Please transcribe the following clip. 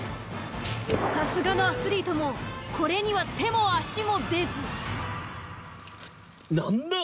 さすがのアスリートもこれには手も足も出ず。